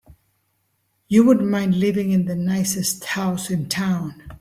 You wouldn't mind living in the nicest house in town.